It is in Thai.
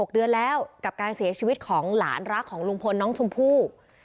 ๖เดือนแล้วกับการเสียชีวิตของหลานรักของลุงพลน้องชมพู่